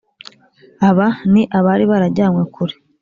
Aba ni abari barajyanywe kure